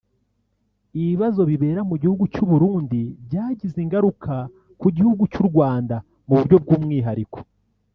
Ibibazo bibera mu gihugu cy’u Burundi byagize ingaruka ku gihugu cy’u Rwanda mu buryo bw’umwihariko